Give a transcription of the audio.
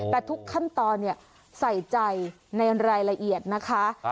แต่ทุกขั้นตอนใส่ใจในรายละเอียดนะคะ